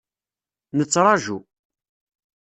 Nettraǧu.